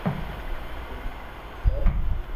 تو ھي ھڻاوي لي